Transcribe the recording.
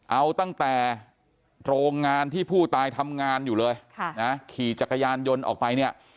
เอาตั้งแต่โรงงานที่ผู้ตายทำงานอยู่เลยขี่จักรยานยนต์ออกไปเนี่ย